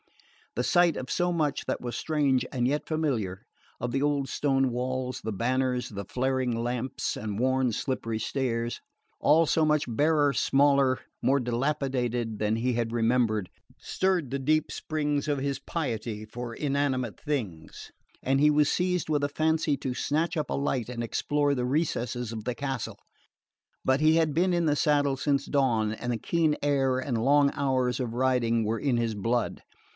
The sight of so much that was strange and yet familiar of the old stone walls, the banners, the flaring lamps and worn slippery stairs all so much barer, smaller, more dilapidated than he had remembered stirred the deep springs of his piety for inanimate things, and he was seized with a fancy to snatch up a light and explore the recesses of the castle. But he had been in the saddle since dawn, and the keen air and the long hours of riding were in his blood.